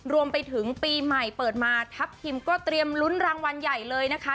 รวมไปถึงปีใหม่เปิดมาทัพทิมก็เตรียมลุ้นรางวัลใหญ่เลยนะคะ